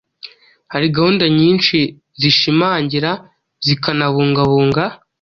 hari gahunda nyinshi zishimangira zikanabungabunga